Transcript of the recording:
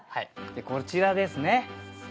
こちらですね